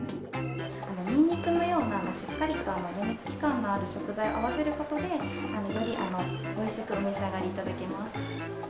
ニンニクのようなしっかりと病みつき感のある食材を合わせることで、よりおいしくお召し上がりいただけます。